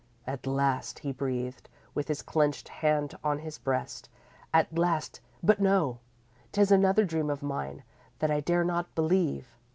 "At last," he breathed, with his clenched hands on his breast; "at last but no, 'tis another dream of mine that I dare not believe."